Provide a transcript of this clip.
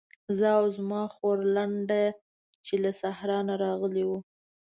زه او زما خورلنډه چې له صحرا نه راغلې وو.